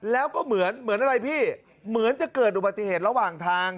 แล้วก็เหมือนเหมือนอะไรพี่เหมือนจะเกิดอุบัติเหตุระหว่างทาง